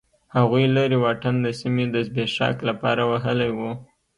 هغوی لرې واټن د سیمې د زبېښاک لپاره وهلی و.